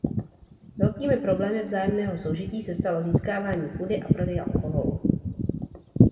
Velkými problémy vzájemného soužití se stalo získávání půdy a prodej alkoholu.